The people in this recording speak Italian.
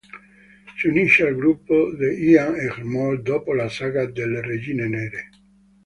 Si unisce al gruppo di Ian e Gmor dopo la saga delle Regine Nere.